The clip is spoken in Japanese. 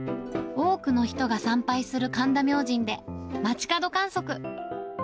多くの人が参拝する神田明神で、街角観測。